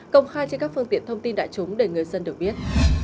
công khai trên các phương tiện thông tin đại chúng để người dân được biết